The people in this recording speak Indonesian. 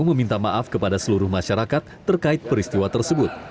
meminta maaf kepada seluruh masyarakat terkait peristiwa tersebut